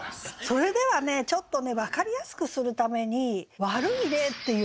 それではねちょっとね分かりやすくするために悪い例っていうのをね